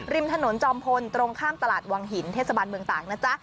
ริมถนนจอมพลตรงข้ามตลาดวังหินเทศบาลเมืองตากนะจ๊ะ